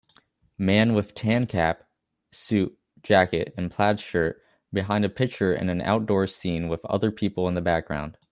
Man with tan cap suit jacket and plaid shirt behind a picture in an outdoor scene with other people in the background